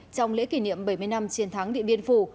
trong lễ kỷ niệm bảy mươi năm chiến thắng địa biên phủ